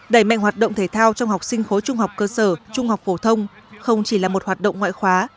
đẩy mạnh hoạt động thể thao trong học sinh khối trung học cơ sở trung học phổ thông không chỉ là một hoạt động ngoại khóa